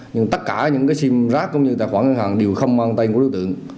nhưng tất cả những sim rác cũng như tài khoản ngân hàng đều không mang tay của đối tượng